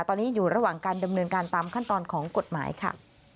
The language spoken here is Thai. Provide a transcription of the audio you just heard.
ตอนนี้อยู่ระหว่างการดำเนินการตามขั้นตอนของกฎหมายค่ะ